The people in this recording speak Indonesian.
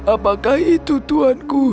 apakah itu tuhan